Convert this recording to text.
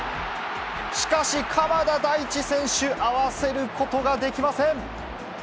しかし、鎌田大地選手、合わせることができません。